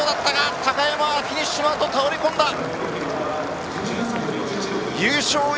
高山はフィニッシュのあと倒れ込みました。